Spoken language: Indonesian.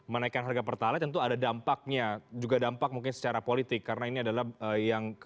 menaikkan harga pertalite tentu ada dampaknya juga dampak mungkin secara politik karena ini adalah yang